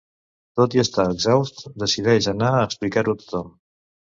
Tot i estar exhaust decideix anar a explicar-ho a tothom.